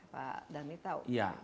pak dhani tahu